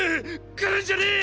来るんじゃねェ！